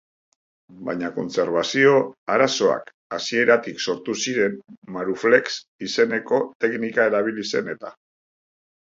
Baina kontserbazio arazoak hasieratik sortu ziren maruflex izeneko teknika erabili zen eta.